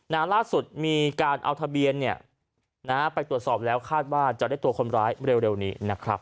นานล่าสุดมีการเอาทะเบียนไปตรวจสอบแล้วคาดว่าจะได้ตัวคนร้ายเร็วนี้